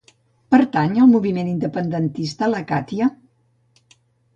Pertany al moviment independentista la Catya?